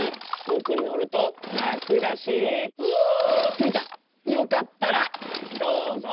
スイちゃんよかったらどうぞ。